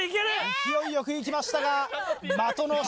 勢いよく行きましたが的の下。